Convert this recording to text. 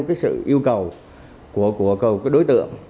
cái sự yêu cầu của đối tượng